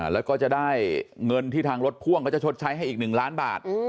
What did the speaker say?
แล้วก็จะได้เงินที่ทางรถพ่วงเขาจะชดใช้ให้อีก๑ล้านบาท